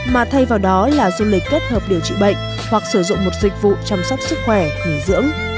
mà thay vào đó là du lịch kết hợp điều trị bệnh hoặc sử dụng một dịch vụ chăm sóc sức khỏe nghỉ dưỡng